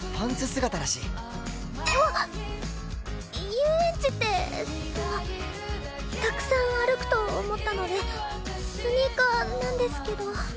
遊園地ってそのたくさん歩くと思ったのでスニーカーなんですけど。